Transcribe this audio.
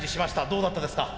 どうだったですか？